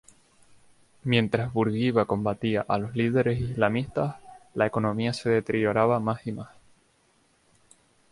Mientras Burguiba combatía a los líderes islamistas, la economía se deterioraba más y más.